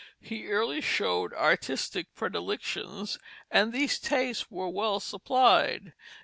He early showed artistic predilections, and these tastes were well supplied.